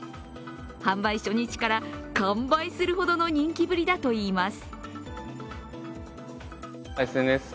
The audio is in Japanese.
販売初日から完売するほどの人気ぶりだといいます。